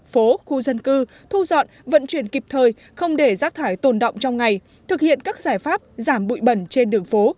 phố khu dân cư thu dọn vận chuyển kịp thời không để rác thải tồn động trong ngày thực hiện các giải pháp giảm bụi bẩn trên đường phố